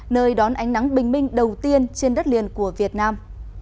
nơi đón ánh nắng bình minh đầu tiên trên đất liền của việt nam